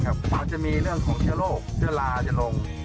อาจจะมีเรื่องของเชื้อโรคเชื้อราจะลง